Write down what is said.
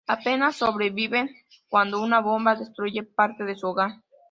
Apenas sobreviven cuando una bomba destruye parte de su hogar.